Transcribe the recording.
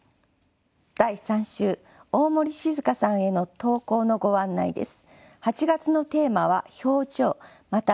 第３週大森静佳さんへの投稿のご案内です。